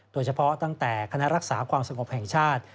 ตั้งแต่คณะรักษาความสงบแห่งชาติ